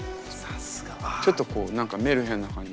ちょっとこう何かメルヘンな感じ。